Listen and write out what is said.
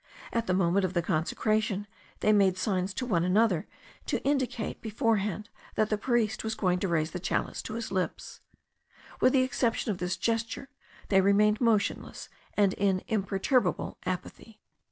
At the moment of the consecration, they made signs to one another, to indicate beforehand that the priest was going to raise the chalice to his lips. With the exception of this gesture, they remained motionless and in imperturbable apathy.